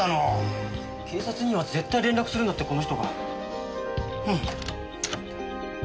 警察には絶対連絡するなってこの人が。